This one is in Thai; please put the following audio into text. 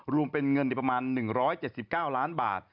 รวมเป็นเงินในประมาณ๑๗๙ล้านบาท